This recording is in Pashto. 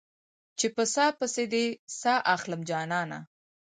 چې په ساه پسې دې ساه اخلم جانانه